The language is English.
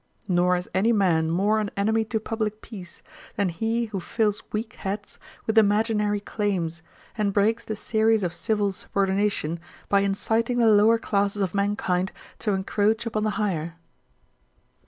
Nor is any man more an enemy to publick peace, than he who fills weak heads with imaginary claims, and breaks the series of civil subordination, by inciting the lower classes of mankind to encroach upon the higher.